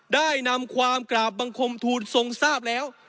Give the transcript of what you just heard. ได้นำความกราบบังคมทูลทรงทราบแล้ว